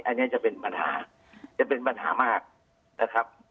อันนี้จะเป็นปัญหาจะเป็นปัญหามากนะครับ